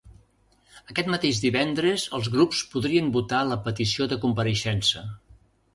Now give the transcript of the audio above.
Aquest mateix divendres els grups podrien votar la petició de compareixença.